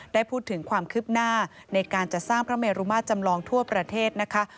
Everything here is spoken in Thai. ได้พูดถึงความคืบหน้าในการจัดสร้างพระเมรุมาตรจำลองทั่วประเทศนะคะ